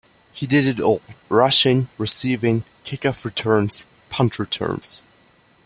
He did it all -- rushing, receiving, kickoff returns, punt returns.